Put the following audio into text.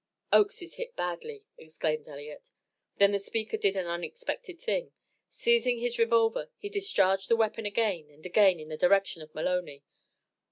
"Oakes is hit badly," exclaimed Elliott. Then the speaker did an unexpected thing. Seizing his revolver, he discharged the weapon again and again in the direction of Maloney.